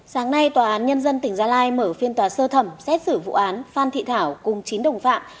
sáng nay tòa án nhân dân tỉnh gia lai mở phiên tòa sơ thẩm xét xử vụ án phan thị thảo cùng chín đồng phạm